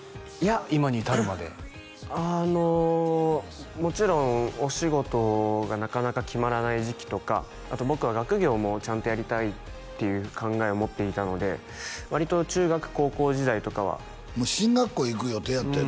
今に至るまでいやあのもちろんお仕事がなかなか決まらない時期とかあと僕は学業もちゃんとやりたいっていう考えを持っていたので割と中学高校時代とかは進学校行く予定やったんよ